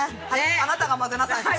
◆あなたが混ぜなさい。